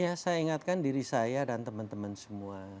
ya saya ingatkan diri saya dan teman teman semua